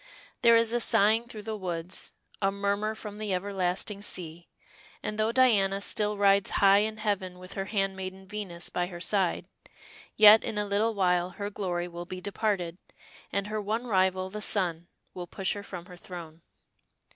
There is a sighing through the woods, a murmur from the everlasting sea, and though Diana still rides high in heaven with her handmaiden Venus by her side, yet in a little while her glory will be departed, and her one rival, the sun, will push her from her throne.